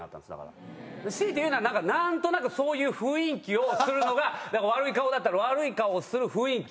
強いて言うなら何となくそういう雰囲気をするのが「悪い顔」だったら悪い顔をする雰囲気。